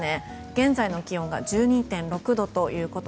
現在の気温が１２．６度です。